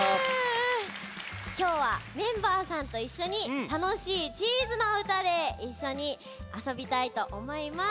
きょうはメンバーさんといっしょにたのしいチーズのうたでいっしょにあそびたいとおもいます。